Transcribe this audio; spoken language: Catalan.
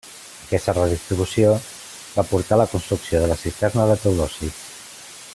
Aquesta redistribució va portar a la construcció de la Cisterna de Teodosi.